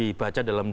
itu kalau berarti